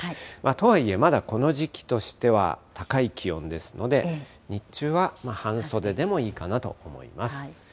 とはいえ、まだこの時期としては高い気温ですので、日中は半袖でもいいかなと思います。